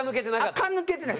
垢抜けてない。